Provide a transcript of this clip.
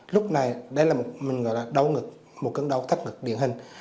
lúc này đây là một mình gọi là đau ngực một cơn đau thắt ngực điển hình